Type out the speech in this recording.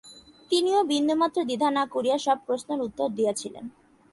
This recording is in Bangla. তিনিও বিন্দুমাত্র দ্বিধা না করিয়া সব প্রশ্নের উত্তর দিয়াছিলেন।